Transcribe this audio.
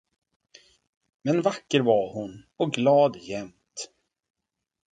Men vacker var hon och glad jämt.